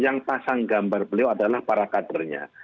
yang pasang gambar beliau adalah para kadernya